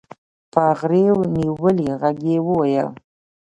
په غريو نيولي ږغ يې وويل.